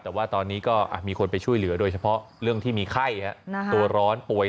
แต่ว่าตอนนี้ก็มีคนไปช่วยเหลือโดยเฉพาะเรื่องที่มีไข้ตัวร้อนป่วย